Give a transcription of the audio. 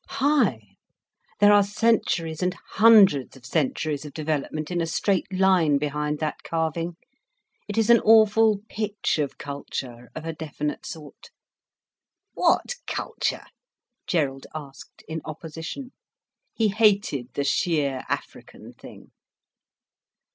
"High! There are centuries and hundreds of centuries of development in a straight line, behind that carving; it is an awful pitch of culture, of a definite sort." "What culture?" Gerald asked, in opposition. He hated the sheer African thing.